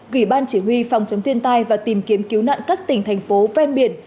gửi ban chỉ huy phòng chống thiên tai và tìm kiếm cứu nạn các tỉnh thành phố ven biển